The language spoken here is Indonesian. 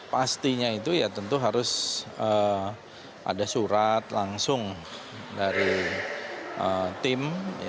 pastinya itu ya tentu harus ada surat langsung dari tim